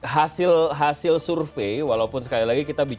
hasil hasil survei walaupun sekali lagi kita bicara